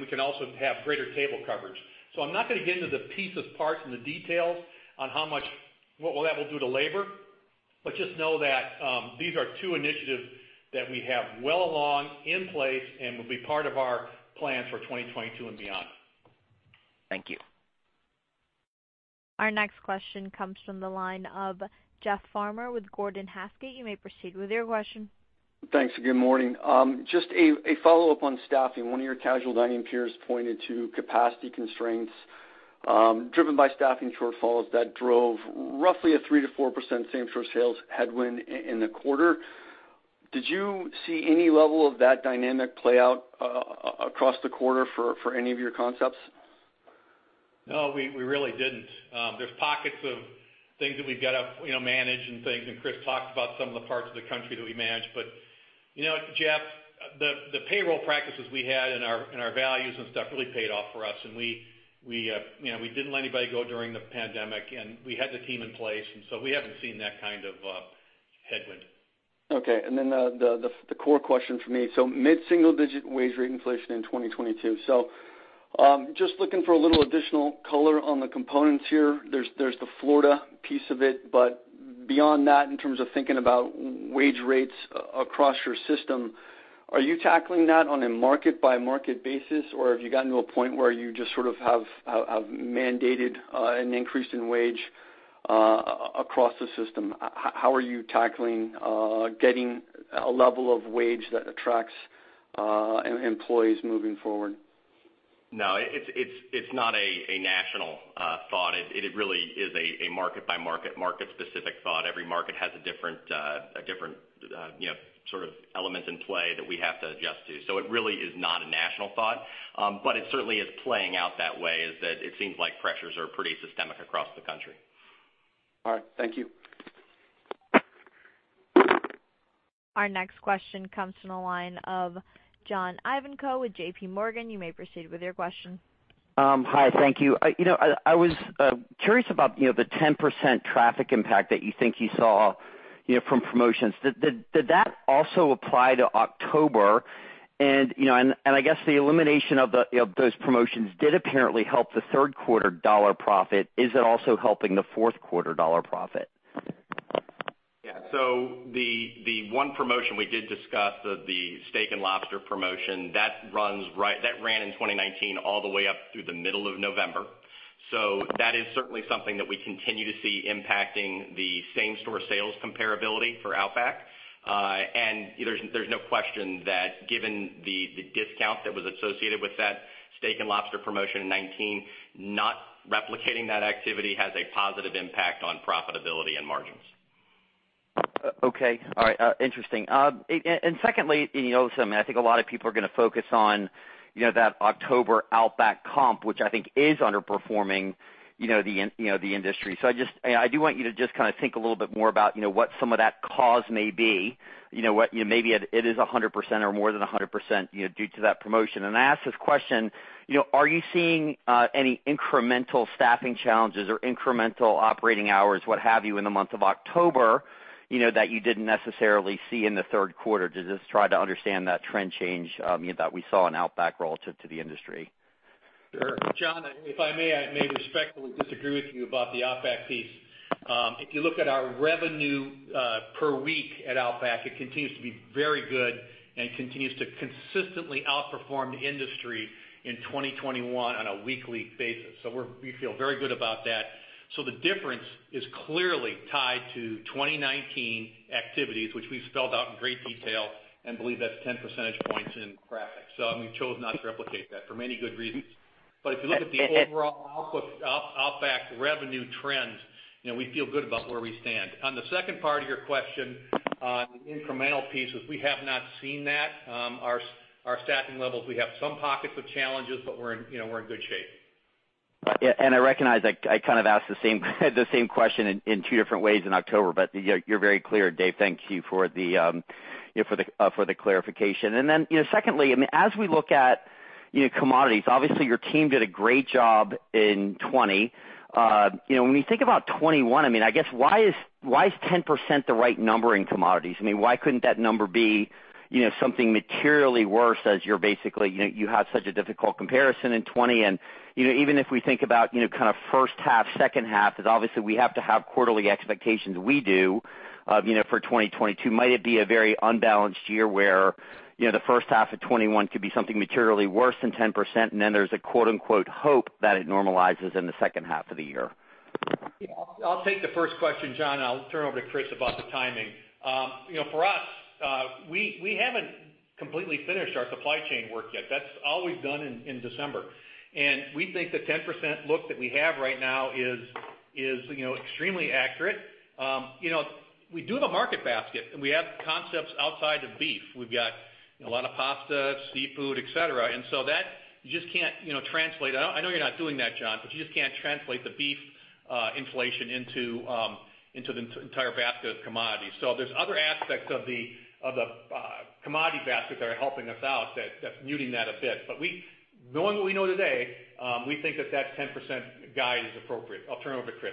[SPEAKER 3] we can also have greater table coverage. I'm not gonna get into the pieces, parts, and the details on what that will do to labor. Just know that these are two initiatives that we have well along, in place, and will be part of our plans for 2022 and beyond.
[SPEAKER 8] Thank you.
[SPEAKER 1] Our next question comes from the line of Jeff Farmer with Gordon Haskett. You may proceed with your question.
[SPEAKER 9] Thanks, good morning. Just a follow-up on staffing. One of your casual dining peers pointed to capacity constraints. Driven by staffing shortfalls that drove roughly a 3%-4% same-store sales headwind in the quarter. Did you see any level of that dynamic play out across the quarter for any of your concepts?
[SPEAKER 3] No, we really didn't. There's pockets of things that we've got to, you know, manage and things, and Chris talked about some of the parts of the country that we manage. You know, Jeff, the payroll practices we had and our values and stuff really paid off for us. We, you know, we didn't let anybody go during the pandemic, and we had the team in place. We haven't seen that kind of headwind.
[SPEAKER 9] Okay. Then the core question for me. Mid-single-digit wage rate inflation in 2022. Just looking for a little additional color on the components here. There's the Florida piece of it. But beyond that, in terms of thinking about wage rates across your system, are you tackling that on a market by market basis, or have you gotten to a point where you just sort of have mandated an increase in wage across the system? How are you tackling getting a level of wage that attracts employees moving forward?
[SPEAKER 4] No, it's not a national thought. It really is a market by market specific thought. Every market has a different you know sort of elements in play that we have to adjust to. It really is not a national thought. It certainly is playing out that way, is that it seems like pressures are pretty systemic across the country.
[SPEAKER 9] All right. Thank you.
[SPEAKER 1] Our next question comes from the line of John Ivankoe with J.P. Morgan. You may proceed with your question.
[SPEAKER 10] Hi. Thank you. I was curious about, you know, the 10% traffic impact that you think you saw, you know, from promotions. Did that also apply to October? You know, I guess the elimination of those promotions did apparently help the third quarter dollar profit. Is it also helping the fourth quarter dollar profit?
[SPEAKER 4] Yeah. The one promotion we did discuss of the steak and lobster promotion, that ran in 2019 all the way up through the middle of November. That is certainly something that we continue to see impacting the same-store sales comparability for Outback. There's no question that given the discount that was associated with that steak and lobster promotion in 2019, not replicating that activity has a positive impact on profitability and margins.
[SPEAKER 10] Okay. All right, interesting. And secondly, you know, some—I think a lot of people are gonna focus on, you know, that October Outback comp, which I think is underperforming, you know, the industry. I just do want you to just kind of think a little bit more about, you know, what some of that cause may be. You know what, you know, maybe it is 100% or more than 100%, you know, due to that promotion. I ask this question, you know, are you seeing any incremental staffing challenges or incremental operating hours, what have you, in the month of October, you know, that you didn't necessarily see in the third quarter. To just try to understand that trend change, you know, that we saw in Outback relative to the industry.
[SPEAKER 3] Sure. John, if I may, I may respectfully disagree with you about the Outback piece. If you look at our revenue per week at Outback, it continues to be very good and continues to consistently outperform the industry in 2021 on a weekly basis. We feel very good about that. The difference is clearly tied to 2019 activities, which we spelled out in great detail and believe that's 10 percentage points in traffic. We chose not to replicate that for many good reasons. If you look at the overall Outback revenue trends, you know, we feel good about where we stand. On the second part of your question on the incremental piece, we have not seen that. Our staffing levels, we have some pockets of challenges, but we're in good shape.
[SPEAKER 10] Yeah. I recognize I kind of asked the same question in two different ways in October. You're very clear, Dave. Thank you for the clarification. You know, secondly, I mean, as we look at you know, commodities, obviously, your team did a great job in 2020. You know, when you think about 2021, I mean, I guess why is 10% the right number in commodities? I mean, why couldn't that number be you know, something materially worse as you're basically you know, you had such a difficult comparison in 2020. You know, even if we think about you know, kind of first half, second half, because obviously we have to have quarterly expectations we do you know, for 2022. Might it be a very unbalanced year where, you know, the first half of 2021 could be something materially worse than 10%, and then there's a quote, unquote hope that it normalizes in the second half of the year?
[SPEAKER 3] Yeah. I'll take the first question, John, and I'll turn it over to Chris about the timing. You know, for us, we haven't completely finished our supply chain work yet. That's all we've done in December. We think the 10% look that we have right now is, you know, extremely accurate. You know, we do have a market basket, and we have concepts outside of beef. We've got a lot of pasta, seafood, et cetera. That you just can't, you know, translate. I know you're not doing that, John, but you just can't translate the beef inflation into the entire basket of commodities. There's other aspects of the commodity basket that are helping us out that's muting that a bit. We, knowing what we know today, we think that 10% guide is appropriate. I'll turn over to Chris.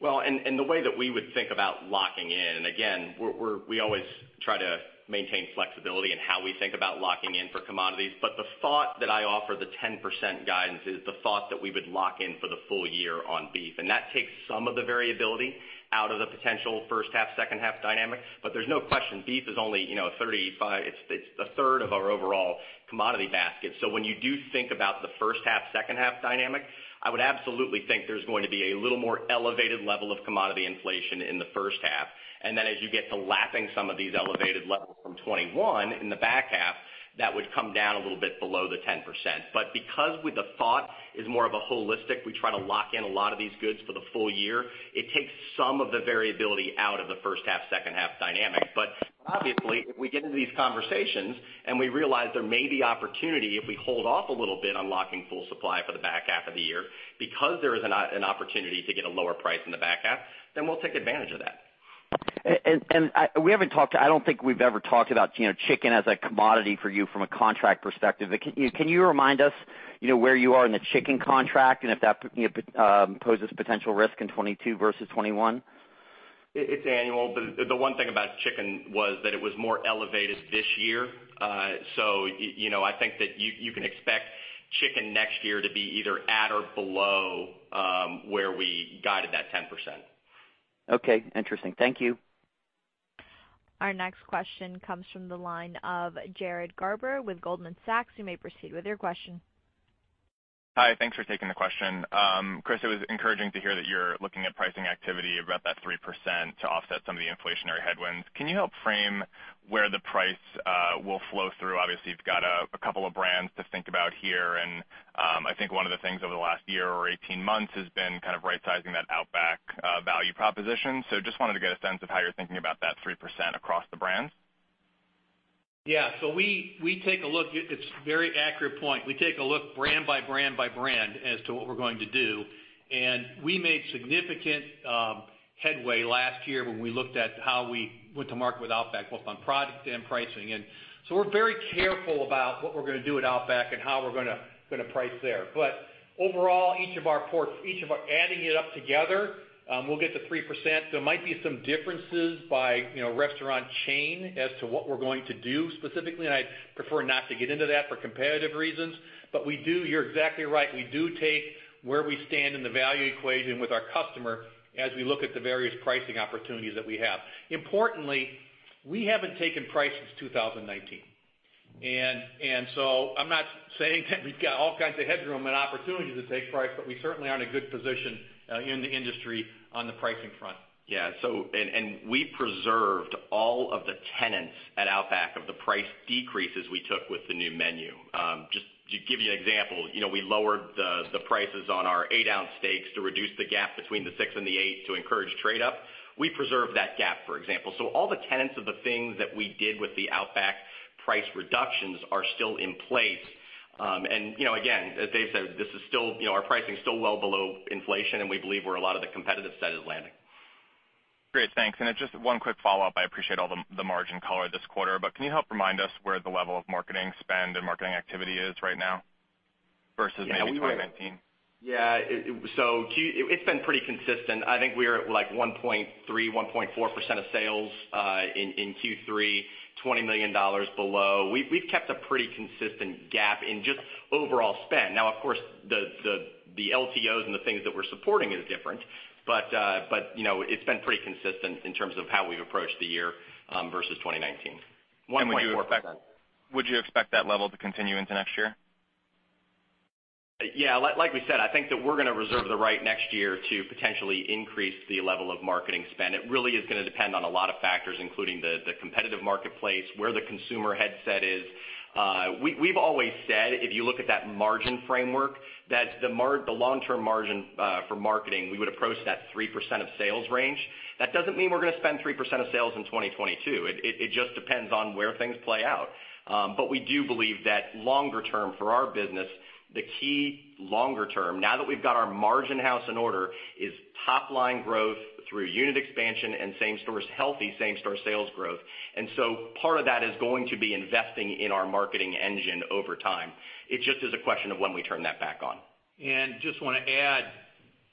[SPEAKER 4] Well, the way that we would think about locking in, and again, we're we always try to maintain flexibility in how we think about locking in for commodities. The thought that I offer the 10% guidance is the thought that we would lock in for the full year on beef, and that takes some of the variability out of the potential first half, second half dynamic. There's no question beef is only, you know, 35%. It's a third of our overall commodity basket. So when you do think about the first half, second half dynamic, I would absolutely think there's going to be a little more elevated level of commodity inflation in the first half. Then as you get to lapping some of these elevated levels from 2021 in the back half. That would come down a little bit below the 10%. Because the thought is more of a holistic, we try to lock in a lot of these goods for the full year, it takes some of the variability out of the first half, second half dynamic. Obviously, if we get into these conversations and we realize there may be an opportunity if we hold off a little bit on locking full supply for the back half of the year because there is an opportunity to get a lower price in the back half, then we'll take advantage of that.
[SPEAKER 10] We haven't talked. I don't think we've ever talked about, you know, chicken as a commodity for you from a contract perspective. Can you remind us, you know, where you are in the chicken contract and if that, you know, poses potential risk in 2022 versus 2021?
[SPEAKER 4] It's annual. The one thing about chicken was that it was more elevated this year. You know, I think that you can expect chicken next year to be either at or below where we guided that 10%.
[SPEAKER 10] Okay, interesting. Thank you.
[SPEAKER 1] Our next question comes from the line of Jared Garber with Goldman Sachs. You may proceed with your question.
[SPEAKER 11] Hi, thanks for taking the question. Chris, it was encouraging to hear that you're looking at pricing activity about that 3% to offset some of the inflationary headwinds. Can you help frame where the price will flow through? Obviously, you've got a couple of brands to think about here. I think one of the things over the last year or 18 months has been kind of rightsizing that Outback value proposition. Just wanted to get a sense of how you're thinking about that 3% across the brands.
[SPEAKER 3] Yeah. It's a very accurate point. We take a look brand by brand as to what we're going to do. We made significant headway last year when we looked at how we went to market with Outback, both on product and pricing. We're very careful about what we're going to do at Outback and how we're gonna price there. Overall, each of our portfolio, adding it up together, we'll get to 3%. There might be some differences by, you know, restaurant chain as to what we're going to do specifically, and I'd prefer not to get into that for competitive reasons. We do, you're exactly right. We do take where we stand in the value equation with our customer as we look at the various pricing opportunities that we have. Importantly, we haven't taken price since 2019. I'm not saying that we've got all kinds of headroom and opportunity to take price, but we certainly are in a good position in the industry on the pricing front.
[SPEAKER 4] We preserved all of the tenets at Outback of the price decreases we took with the new menu. Just to give you an example, you know, we lowered the prices on our 8-ounce steaks to reduce the gap between the 6 and the 8 to encourage trade up. We preserved that gap, for example. All the tenets of the things that we did with the Outback price reductions are still in place. You know, again, as Dave said, this is still, you know, our pricing is still well below inflation, and we believe where a lot of the competitive set is landing.
[SPEAKER 11] Great. Thanks. Just one quick follow-up. I appreciate all the margin color this quarter, but can you help remind us where the level of marketing spend and marketing activity is right now versus maybe 2019?
[SPEAKER 4] Yeah. It's been pretty consistent. I think we're at, like, 1.3%-1.4% of sales in Q3, $20 million below. We've kept a pretty consistent gap in just overall spend. Now, of course, the LTOs and the things that we're supporting is different. You know, it's been pretty consistent in terms of how we've approached the year versus 2019. 1.4%.
[SPEAKER 11] Would you expect that level to continue into next year?
[SPEAKER 4] Yeah. Like we said, I think that we're going to reserve the right next year to potentially increase the level of marketing spend. It really is going to depend on a lot of factors, including the competitive marketplace, where the consumer mindset is. We've always said if you look at that margin framework, that the long-term margin for marketing, we would approach that 3% of sales range. That doesn't mean we're going to spend 3% of sales in 2022. It just depends on where things play out. We do believe that longer term for our business, the key longer term, now that we've got our margin house in order, is top line growth through unit expansion and healthy same-store sales growth. Part of that is going to be investing in our marketing engine over time. It just is a question of when we turn that back on.
[SPEAKER 3] Just want to add,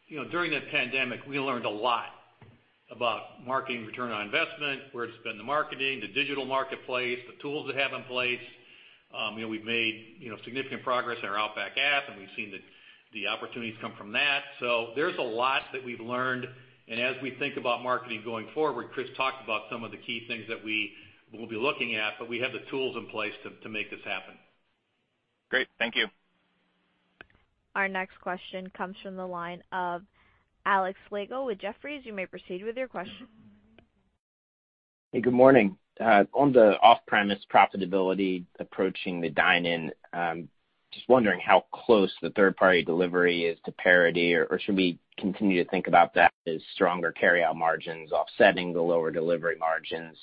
[SPEAKER 3] you know, during the pandemic, we learned a lot about marketing return on investment, where to spend the marketing, the digital marketplace, the tools that we have in place. You know, we've made, you know, significant progress in our Outback app, and we've seen the opportunities come from that. There's a lot that we've learned. As we think about marketing going forward, Chris talked about some of the key things that we will be looking at, but we have the tools in place to make this happen.
[SPEAKER 11] Great. Thank you.
[SPEAKER 1] Our next question comes from the line of Alex Slagle with Jefferies. You may proceed with your question.
[SPEAKER 12] Hey, good morning. On the off-premise profitability approaching the dine-in, just wondering how close the third-party delivery is to parity, or should we continue to think about that as stronger carryout margins offsetting the lower delivery margins?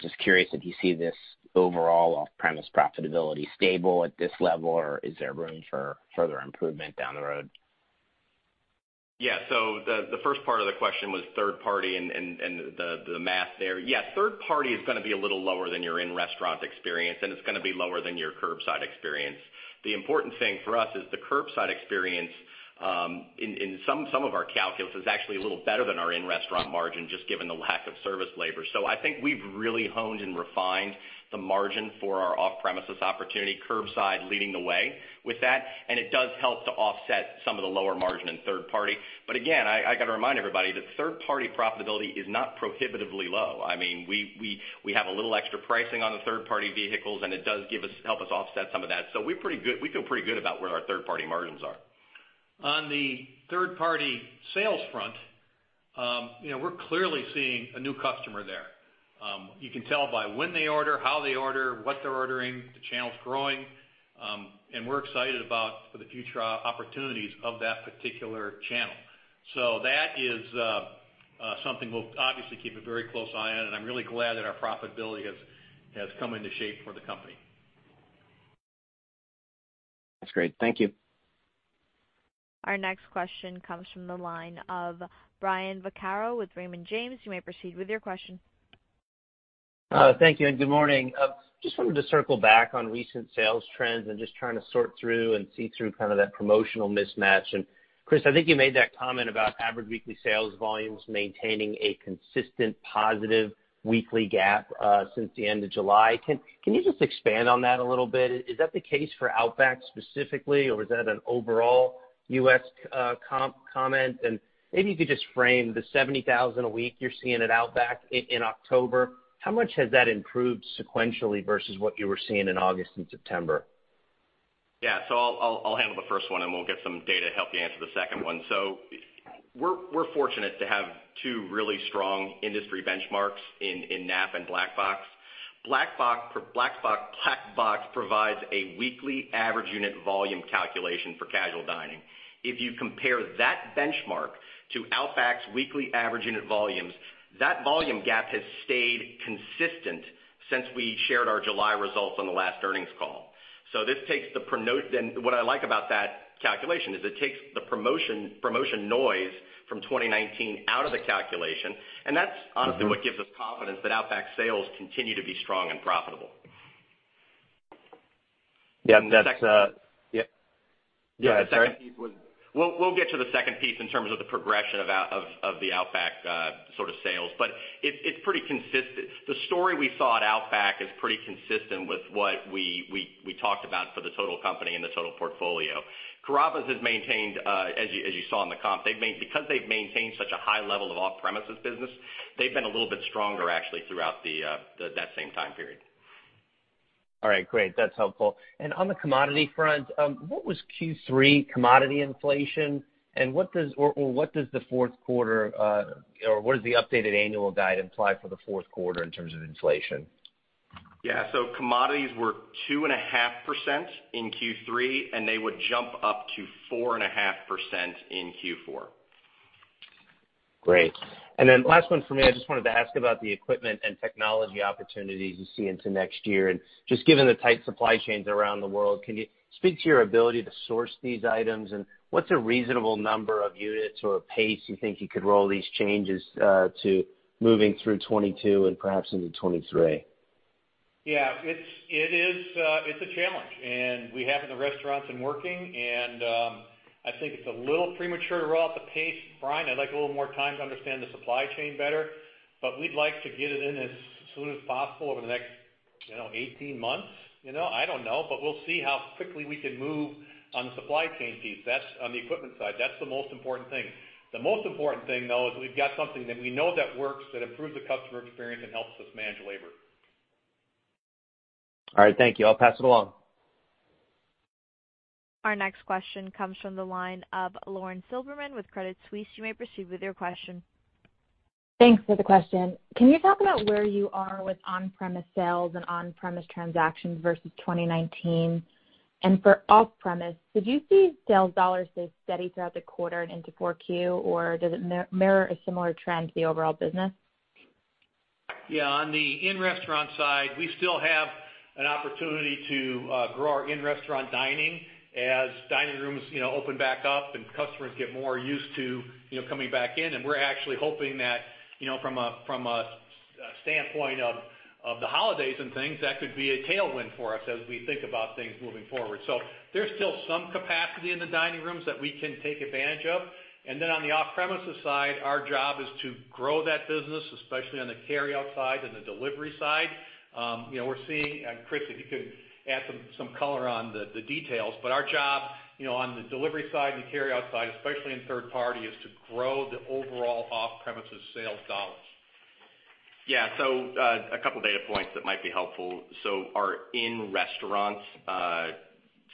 [SPEAKER 12] Just curious if you see this overall off-premise profitability stable at this level, or is there room for further improvement down the road?
[SPEAKER 4] Yeah. The first part of the question was third party and the math there. Yeah, third party is going to be a little lower than your in-restaurant experience, and it's going to be lower than your curbside experience. The important thing for us is the curbside experience, in some of our calculus, is actually a little better than our in-restaurant margin, just given the lack of service labor. I think we've really honed and refined the margin for our off-premises opportunity, curbside leading the way with that. It does help to offset some of the lower margin in third party. Again, I got to remind everybody that third-party profitability is not prohibitively low. I mean, we have a little extra pricing on the third-party vehicles, and it does help us offset some of that. We're pretty good. We feel pretty good about where our third-party margins are.
[SPEAKER 3] On the third-party sales front, you know, we're clearly seeing a new customer there. You can tell by when they order, how they order, what they're ordering, the channel's growing. We're excited about the future opportunities of that particular channel. That is something we'll obviously keep a very close eye on, and I'm really glad that our profitability has come into shape for the company.
[SPEAKER 12] That's great. Thank you.
[SPEAKER 1] Our next question comes from the line of Brian Vaccaro with Raymond James, you may proceed with your question.
[SPEAKER 13] Thank you and good morning. Just wanted to circle back on recent sales trends and just trying to sort through and see through kind of that promotional mismatch. Chris, I think you made that comment about average weekly sales volumes maintaining a consistent positive weekly gap since the end of July. Can you just expand on that a little bit? Is that the case for Outback specifically, or is that an overall U.S. comment? Maybe you could just frame the 70,000 a week you're seeing at Outback in October, how much has that improved sequentially versus what you were seeing in August and September?
[SPEAKER 4] Yeah. I'll handle the first one and we'll get some data to help you answer the second one. We're fortunate to have two really strong industry benchmarks in Knapp-Track and Black Box. Black Box provides a weekly average unit volume calculation for casual dining. If you compare that benchmark to Outback's weekly average unit volumes, that volume gap has stayed consistent since we shared our July results on the last earnings call. What I like about that calculation is it takes the promotion noise from 2019 out of the calculation. That's honestly what gives us confidence that Outback sales continue to be strong and profitable.
[SPEAKER 13] Yeah. That's. Yeah. Go ahead, sorry.
[SPEAKER 4] We'll get to the second piece in terms of the progression of Outback sort of sales, but it's pretty consistent. The story we saw at Outback is pretty consistent with what we talked about for the total company and the total portfolio. Carrabba's has maintained, as you saw in the comp, because they've maintained such a high level of off-premises business, they've been a little bit stronger actually throughout that same time period.
[SPEAKER 13] All right, great. That's helpful. On the commodity front, what was Q3 commodity inflation and what does the updated annual guide imply for the fourth quarter in terms of inflation?
[SPEAKER 4] Yeah. Commodities were 2.5% in Q3, and they would jump up to 4.5% in Q4.
[SPEAKER 13] Great. Then last one for me. I just wanted to ask about the equipment and technology opportunities you see into next year. Just given the tight supply chains around the world, can you speak to your ability to source these items? What's a reasonable number of units or pace you think you could roll these changes to moving through 2022 and perhaps into 2023?
[SPEAKER 3] Yeah. It's a challenge, and we have it in the restaurants and working, and I think it's a little premature to roll out the pace, Brian. I'd like a little more time to understand the supply chain better, but we'd like to get it in as soon as possible over the next, you know, 18 months. You know, I don't know, but we'll see how quickly we can move on the supply chain piece. That's on the equipment side. That's the most important thing. The most important thing, though, is we've got something that we know that works, that improves the customer experience and helps us manage labor.
[SPEAKER 13] All right. Thank you. I'll pass it along.
[SPEAKER 1] Our next question comes from the line of Lauren Silberman with Credit Suisse. You may proceed with your question.
[SPEAKER 14] Thanks for the question. Can you talk about where you are with on-premises sales and on-premises transactions versus 2019? For off-premises, did you see sales dollars stay steady throughout the quarter and into Q4, or does it mirror a similar trend to the overall business?
[SPEAKER 3] Yeah. On the in-restaurant side, we still have an opportunity to grow our in-restaurant dining as dining rooms, you know, open back up and customers get more used to, you know, coming back in. We're actually hoping that, you know, from a standpoint of the holidays and things, that could be a tailwind for us as we think about things moving forward. There's still some capacity in the dining rooms that we can take advantage of. Then on the off-premises side, our job is to grow that business, especially on the carryout side and the delivery side. You know, we're seeing, Chris, if you could add some color on the details, but our job, you know, on the delivery side and the carryout side, especially in third party, is to grow the overall off-premises sales dollars.
[SPEAKER 4] A couple data points that might be helpful. Our in-restaurant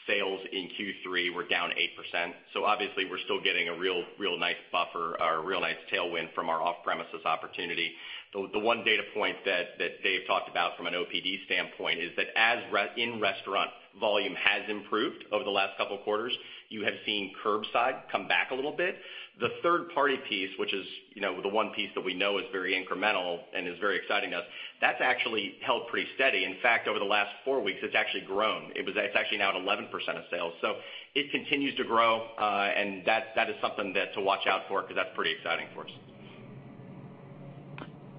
[SPEAKER 4] sales in Q3 were down 8%. Obviously we're still getting a real nice buffer or a real nice tailwind from our off-premises opportunity. The one data point that David talked about from an OPD standpoint is that as in-restaurant volume has improved over the last couple of quarters, you have seen curbside come back a little bit. The third-party piece, which is, you know, the one piece that we know is very incremental and is very exciting to us, that's actually held pretty steady. In fact, over the last four weeks, it's actually grown. It's actually now at 11% of sales. So it continues to grow, and that is something that to watch out for because that's pretty exciting for us.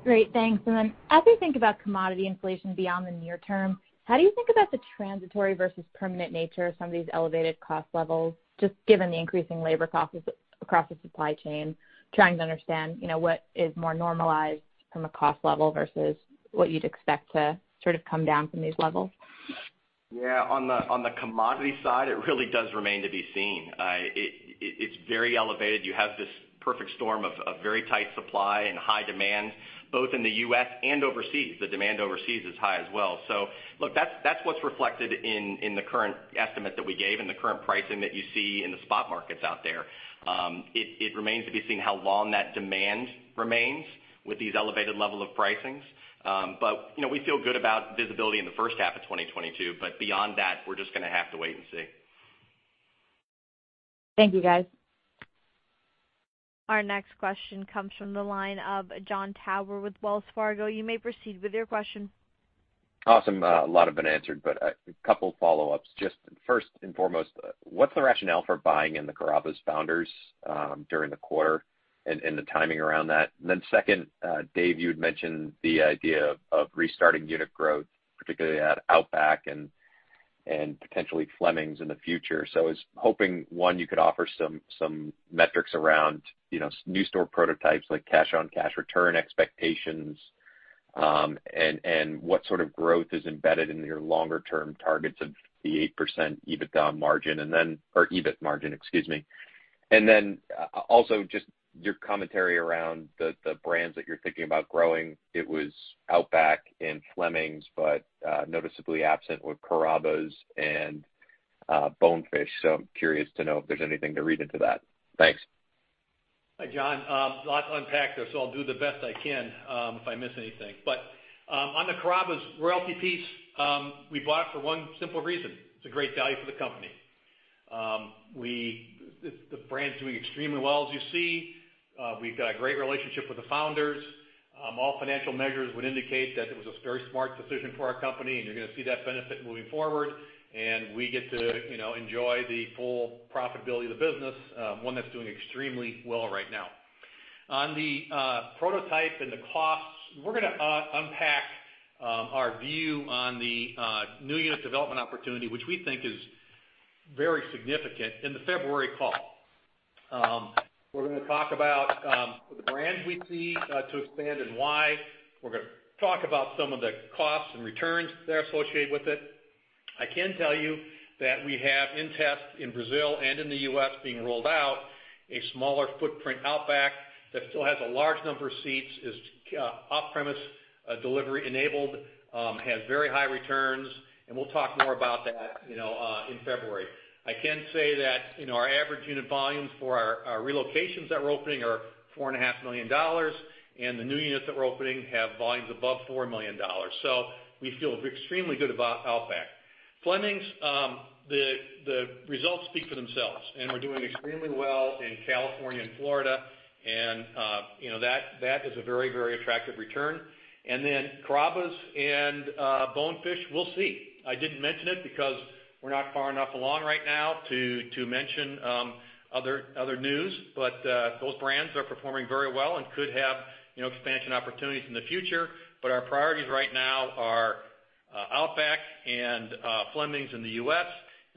[SPEAKER 14] Great. Thanks. As we think about commodity inflation beyond the near term, how do you think about the transitory versus permanent nature of some of these elevated cost levels, just given the increasing labor costs across the supply chain, trying to understand, you know, what is more normalized from a cost level versus what you'd expect to sort of come down from these levels?
[SPEAKER 4] Yeah, on the commodity side, it really does remain to be seen. It's very elevated. You have this perfect storm of very tight supply and high demand, both in the U.S. and overseas. The demand overseas is high as well. Look, that's what's reflected in the current estimate that we gave and the current pricing that you see in the spot markets out there. It remains to be seen how long that demand remains with these elevated levels of pricing. You know, we feel good about visibility in the first half of 2022, but beyond that, we're just gonna have to wait and see.
[SPEAKER 15] Thank you, guys.
[SPEAKER 1] Our next question comes from the line of Jon Tower with Wells Fargo. You may proceed with your question.
[SPEAKER 14] Awesome. A lot have been answered, but a couple follow-ups. Just first and foremost, what's the rationale for buying in the Carrabba's franchises during the quarter and the timing around that? Second, Dave, you had mentioned the idea of restarting unit growth, particularly at Outback and potentially Fleming's in the future.
[SPEAKER 15] I was hoping, one, you could offer some metrics around, you know, new store prototypes like cash-on-cash return expectations, and what sort of growth is embedded in your longer term targets of the 8% EBITDA margin and then or EBIT margin, excuse me. Also, just your commentary around the brands that you're thinking about growing. It was Outback and Fleming's, but noticeably absent with Carrabba's and Bonefish. Curious to know if there's anything to read into that. Thanks.
[SPEAKER 3] Hi, John. A lot to unpack there, so I'll do the best I can, if I miss anything. On the Carrabba's royalty piece, we bought it for one simple reason: It's a great value for the company. The brand's doing extremely well, as you see. We've got a great relationship with the founders. All financial measures would indicate that it was a very smart decision for our company, and you're gonna see that benefit moving forward. We get to, you know, enjoy the full profitability of the business, one that's doing extremely well right now. On the prototype and the costs, we're gonna unpack our view on the new unit development opportunity, which we think is very significant in the February call. We're gonna talk about the brands we see to expand and why. We're gonna talk about some of the costs and returns that are associated with it. I can tell you that we have in test in Brazil and in the U.S. being rolled out a smaller footprint Outback that still has a large number of seats, is off-premises delivery enabled, has very high returns, and we'll talk more about that, you know, in February. I can say that, you know, our average unit volumes for our relocations that we're opening are $4.5 million, and the new units that we're opening have volumes above $4 million. We feel extremely good about Outback. Fleming's, the results speak for themselves, and we're doing extremely well in California and Florida, and you know, that is a very, very attractive return. Carrabba's and Bonefish, we'll see. I didn't mention it because we're not far enough along right now to mention other news. Those brands are performing very well and could have you know, expansion opportunities in the future. Our priorities right now are Outback and Fleming's in the U.S.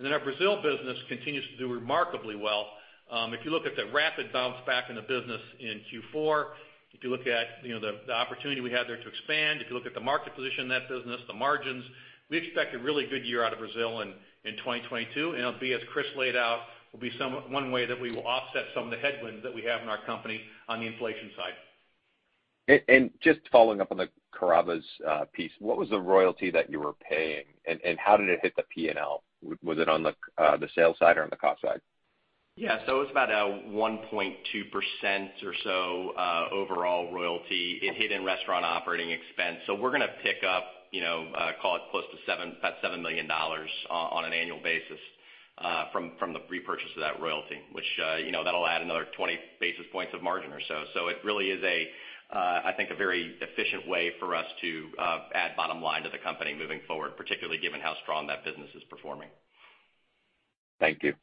[SPEAKER 3] Our Brazil business continues to do remarkably well. If you look at the rapid bounce back in the business in Q4, if you look at, you know, the opportunity we have there to expand, if you look at the market position in that business, the margins, we expect a really good year out of Brazil in 2022. It'll be, as Chris laid out, one way that we will offset some of the headwinds that we have in our company on the inflation side.
[SPEAKER 15] Just following up on the Carrabba's piece, what was the royalty that you were paying, and how did it hit the P&L? Was it on the sales side or on the cost side?
[SPEAKER 4] Yeah, it was about 1.2% or so overall royalty. It hit in restaurant operating expense. We're gonna pick up, you know, call it close to $7, about $7 million on an annual basis from the repurchase of that royalty, which, you know, that'll add another 20 basis points of margin or so. It really is, I think a very efficient way for us to add bottom line to the company moving forward, particularly given how strong that business is performing.
[SPEAKER 15] Thank you.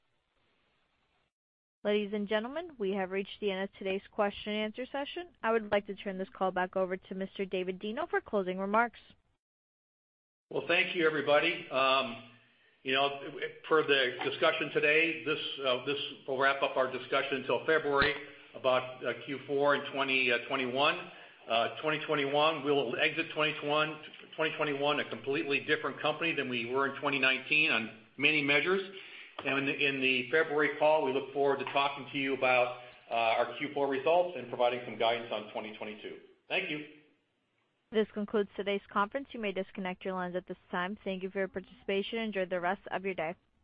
[SPEAKER 1] Ladies and gentlemen, we have reached the end of today's question answer session. I would like to turn this call back over to Mr. David Deno for closing remarks.
[SPEAKER 3] Well, thank you, everybody. You know, for the discussion today, this will wrap up our discussion until February about Q4 in 2021. 2021, we'll exit 2021 a completely different company than we were in 2019 on many measures. In the February call, we look forward to talking to you about our Q4 results and providing some guidance on 2022. Thank you.
[SPEAKER 1] This concludes today's conference. You may disconnect your lines at this time. Thank you for your participation. Enjoy the rest of your day.